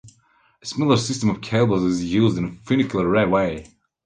A similar system of cables is used in a funicular railway.